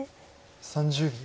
３０秒。